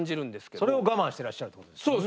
それを我慢してらっしゃるってことですもんね。